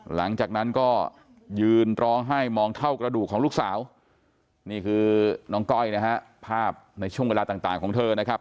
หลังจากนั้นก็ยืนร้องไห้มองเท่ากระดูกของลูกสาวนี่คือน้องก้อยนะฮะภาพในช่วงเวลาต่างของเธอนะครับ